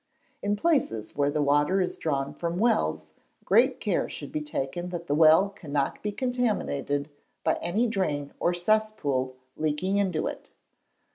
In places where the water is drawn from wells great care should be taken that the well cannot be contaminated by any drain or cesspool leaking into it.